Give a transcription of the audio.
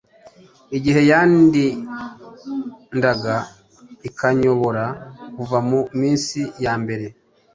igihe yandindaga ikanyobora kuva mu minsi ya mbere,